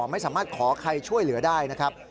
ไม่สามารถขอใครช่วยเหลือได้นะครับ